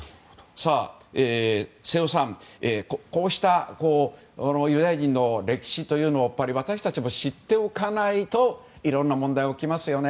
瀬尾さん、こうしたユダヤ人の歴史というのを私たちも知っておかないといろいろな問題が起きますよね。